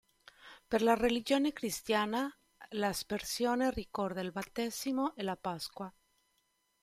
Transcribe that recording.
Per la religione cristiana, l'aspersione ricorda il battesimo e la Pasqua.